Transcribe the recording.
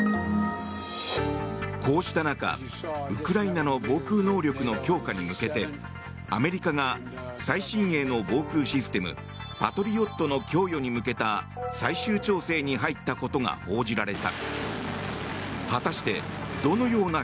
こうした中、ウクライナの防空能力の強化に向けてアメリカが最新鋭の防空システムパトリオットの供与に向けた最終調整に入ったことが報じられた。